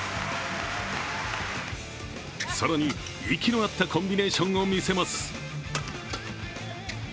更に、息の合ったコンビネーションを見せます。